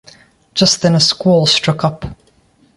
Just then a squall struck up.